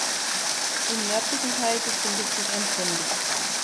Im nördlichen Teil befindet sich ein Trimm-dich-Pfad.